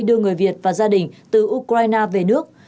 đưa người việt và gia đình từ ukraine về nước